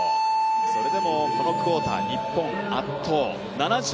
それでも、このクオーター日本、圧倒。